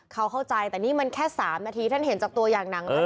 เขาเข้าใจแต่นี่มันแค่๓นาทีท่านเห็นจากตัวอย่างหนังนะ